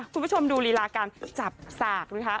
คุณผู้ชมดูลีลาการจับสากนะคะ